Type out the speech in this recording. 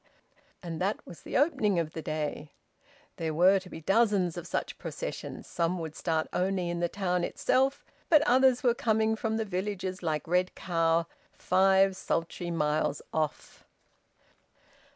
And that was the opening of the day. There were to be dozens of such processions. Some would start only in the town itself; but others were coming from the villages like Red Cow, five sultry miles off.